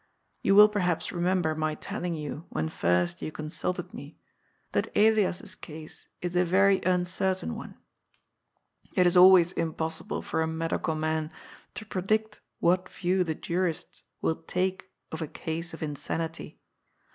You will perhaps remember my telling you, when first you con sulted me, that Elias's case is a very ancertain one. It is always impossible for a medical man to predict what view the jurists will take of a case of insanity.